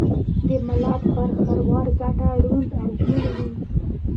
دملت پر خروار ګټه ړوند او کوڼ وي